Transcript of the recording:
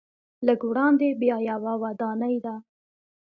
لږ وړاندې بیا یوه ودانۍ ده.